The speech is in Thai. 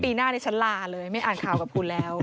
นั้นปีหน้านี่ฉันล่าเลยไม่อ่านข่ากับผู้แล้ว